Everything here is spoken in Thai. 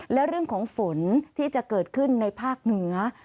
และเรื่องของฝนที่จะเกิดขึ้นในภาคเหนือ